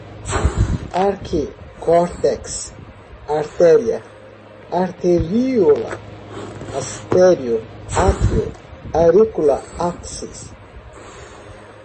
arquicórtex, artéria, arteríola, astério, átrio, aurícula, áxis